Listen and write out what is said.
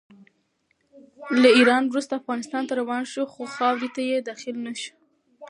له ایران وروسته افغانستان ته روان شو، خو خاورې ته یې داخل نه شو.